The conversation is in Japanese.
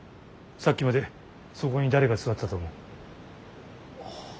さっきまでそこに誰が座ってたと思う。